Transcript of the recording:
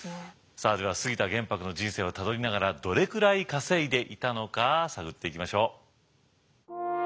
さあでは杉田玄白の人生をたどりながらどれくらい稼いでいたのか探っていきましょう。